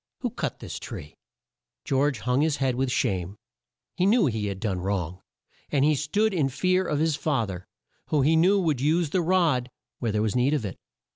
Who cut this tree?" George hung his head with shame. He knew he had done wrong; and he stood in fear of his fa ther, who he knew would use the rod where there was need of it.